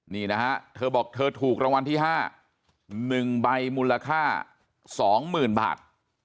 นี่นะฮะเธอบอกเธอถูกรางวัลที่ห้าหนึ่งใบมูลค่าสองหมื่นบาท